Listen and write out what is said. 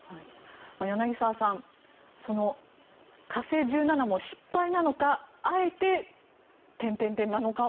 柳澤さん、火星１７も失敗なのかあえて点々なのか